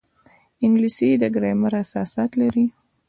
انګلیسي د ګرامر اساسات لري